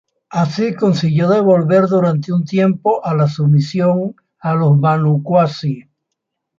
Así consiguió devolver durante un tiempo a la sumisión a los Banu Qasi.